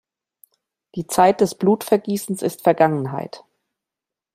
Die Zeit des Blutvergießens ist Vergangenheit!